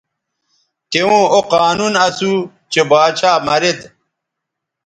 توؤں او قانون اسو چہء باچھا مرید